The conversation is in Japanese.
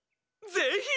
ぜひ！